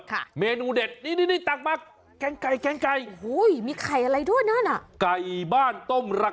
ค่ะเมนูเด็ดนี่นี่นี่ตักมาแกงไก่แกงไก่โอ้โหมีไข่อะไรด้วยนั่นอ่ะ